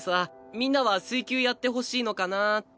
みんなは水球やってほしいのかなって。